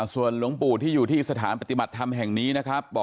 ส่วนหลวงปู่ที่อยู่ที่สถานปฏิบัติธรรมแห่งนี้นะครับ